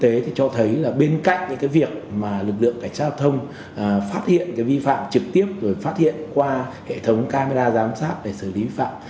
thực tế thì cho thấy là bên cạnh những cái việc mà lực lượng cảnh sát giao thông phát hiện cái vi phạm trực tiếp rồi phát hiện qua hệ thống camera giám sát để xử lý vi phạm